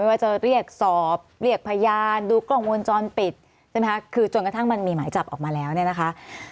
ไม่ว่าจะเรียกสอบเรียกพยานดูกล่องมูลจรปิดถึงกระทั่งมันมีหมายจับออกมาแล้วนี่นะคะ